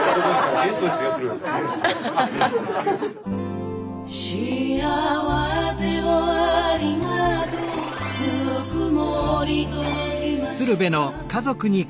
で「幸せをありがとうぬくもり届きました」